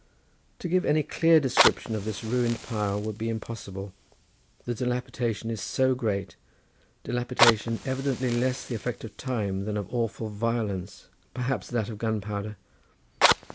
To give any clear description of this ruined pile would be impossible, the dilapidation is so great, dilapidation evidently less the effect of time than of awful violence, perhaps that of gunpowder.